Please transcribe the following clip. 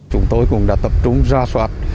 chúng tôi cũng đã tập trung ra soát